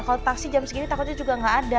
kalo taksi jam segini takutnya juga gak ada